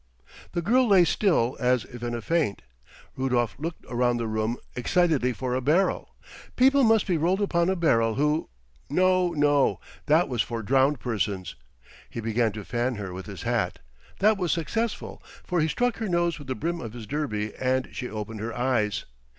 The girl lay still, as if in a faint. Rudolf looked around the room excitedly for a barrel. People must be rolled upon a barrel who—no, no; that was for drowned persons. He began to fan her with his hat. That was successful, for he struck her nose with the brim of his derby and she opened her eyes.